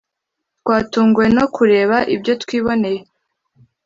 twatunguwe no kureba ibyo twiboneye